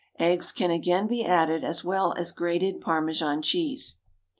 Eggs can again be added, as well as grated Parmesan cheese.